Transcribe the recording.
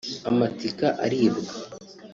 Amatika aribwa